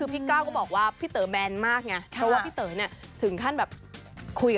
พี่เก้าก็บอกว่าพี่เต๋อแมนมากไง